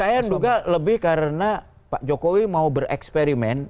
saya duga lebih karena pak jokowi mau bereksperimen